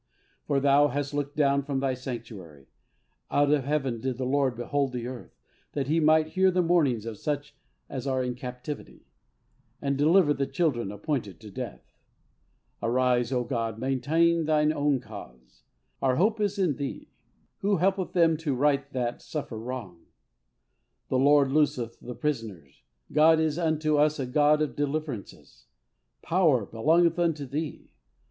For Thou hast looked down from Thy sanctuary; out of heaven did the Lord behold the earth, that He might hear the mournings of such as are in captivity, and deliver the children appointed to death. Arise, O God, maintain Thine own cause! Our hope is in Thee, Who helpeth them to right that suffer wrong. The Lord looseth the prisoners. God is unto us a God of deliverances. Power belongeth unto Thee.